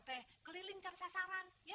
teh keliling cari sasaran ya ya ya